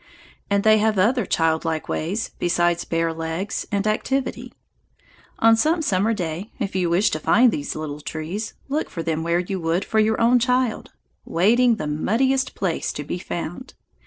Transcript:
And they have other childlike ways besides bare legs and activity. On some summer day, if you wish to find these little trees, look for them where you would for your own child, wading the muddiest place to be found.